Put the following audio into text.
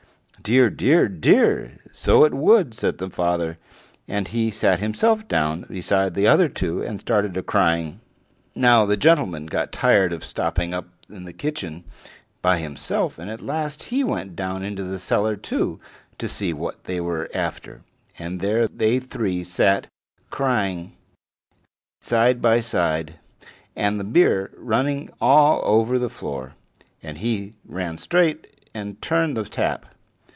"Dear, dear, dear! so it would!" said the father, and he sat himself down aside of the other two, and started a crying. Now the gentleman got tired of stopping up in the kitchen by himself, and at last he went down into the cellar too, to see what they were after; and there they three sat crying side by side, and the beer running all over the floor. And he ran straight and turned the tap.